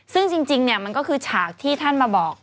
ซึ่งจริงมันก็คือฉากที่ท่านมาบอก